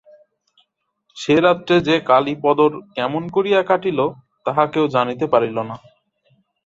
সে রাত্রি যে কালীপদর কেমন করিয়া কাটিল তাহা কেহ জানিতে পারিল না।